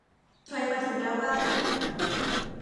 ใครมาถึงแล้วบ้าง